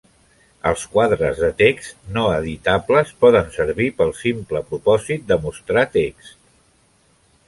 Els quadres de text no editables poden servir pel simple propòsit de mostrar text.